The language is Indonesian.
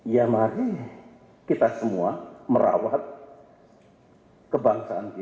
ya mari kita semua merawat kebangsaan kita